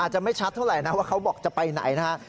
จะไม่ชัดเท่าไหร่นะว่าเขาบอกจะไปไหนนะฮะ